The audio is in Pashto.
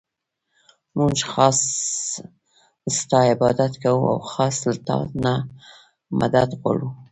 مونږ خاص ستا عبادت كوو او خاص له تا نه مدد غواړو.